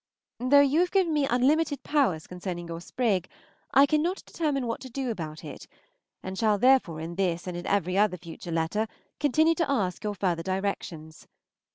Though you have given me unlimited powers concerning your sprig, I cannot determine what to do about it, and shall therefore in this and in every other future letter continue to ask your further directions.